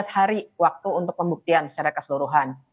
tiga belas hari waktu untuk pembuktian secara keseluruhan